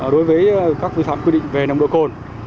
đối với các vi phạm quy định về nồng độ cồn